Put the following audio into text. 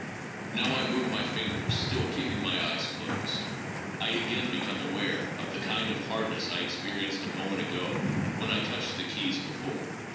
Now I move my fingers, still keeping my eyes closed ; I again become aware of the kind of hardness I experienced a moment ago when I touched the keys before.